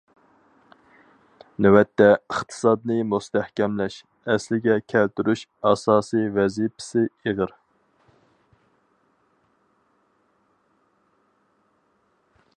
نۆۋەتتە، ئىقتىسادنى مۇستەھكەملەش، ئەسلىگە كەلتۈرۈش ئاساسىي ۋەزىپىسى ئېغىر.